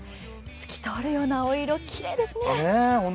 透き通るような青色、きれいですね